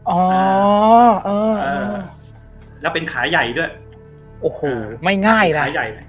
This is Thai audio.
เออแล้วเป็นขายใหญ่ด้วยโอ้โหไม่ง่ายเลย